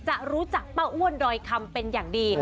รู้จักป้าอ้วนดอยคำเป็นอย่างดี